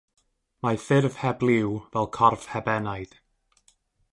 Mae ffurf heb liw fel corff heb enaid.